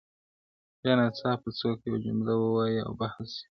بيا ناڅاپه څوک يوه جمله ووايي او بحث سي,